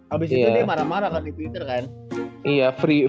habis itu dia marah marah kan di twitter kan